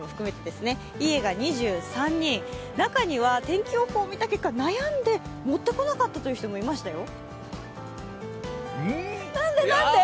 中には天気予報を見た結果、悩んで持ってこなかったという人もいましたよ。